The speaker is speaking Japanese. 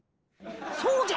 そうじゃ！